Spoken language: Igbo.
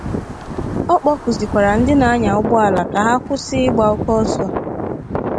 Ọ kpọkuzịkwara ndị na-anya ụgbọala ka ha kwụsị ịgba oke ọsọ